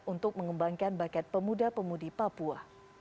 untuk mengembangkan bakat pemuda pemudi papua